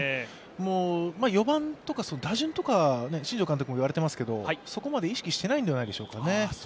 ４番とか打順とか、新庄監督も言われていますけど、そこまで意識していないんではないでしょうかね。